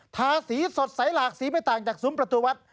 ทาสีสดใสหลากสีไม่ต่างจากซุ้มประตูวัด